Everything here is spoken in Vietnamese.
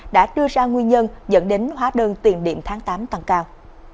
đã đưa ra nguyên nhân dẫn đến hóa đơn tiền điện tháng tám tăng cao